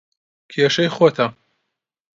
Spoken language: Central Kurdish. کێشەی خۆتە.